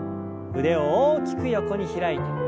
腕を大きく横に開いて。